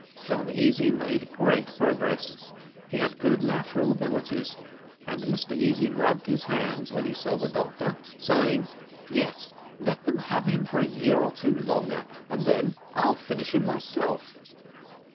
John Easy made great progress; he had good natural abilities, and Mr Easy rubbed his hands when he saw the doctor, saying, "Yes, let them have him for a year or two longer, and then I'll finish him myself."